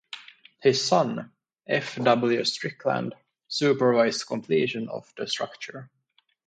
His son, F. W. Strickland, supervised completion of the structure.